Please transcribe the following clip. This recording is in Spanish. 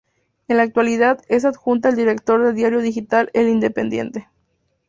En la actualidad es adjunta al director del diario digital "El Independiente".